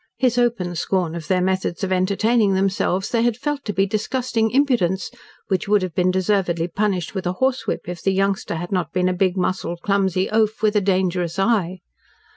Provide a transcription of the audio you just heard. His open scorn of their methods of entertaining themselves they had felt to be disgusting impudence, which would have been deservedly punished with a horsewhip, if the youngster had not been a big muscled, clumsy oaf, with a dangerous eye.